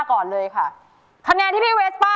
ช่วยฝังดินหรือกว่า